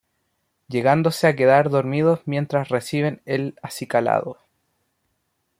Llegándose a quedar dormidos mientras reciben el acicalado.